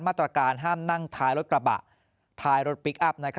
มาตรการห้ามนั่งท้ายรถกระบะท้ายรถพลิกอัพ